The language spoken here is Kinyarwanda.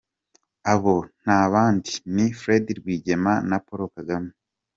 Abo nta bandi ni Fred Rwigema, na Paul Kagame.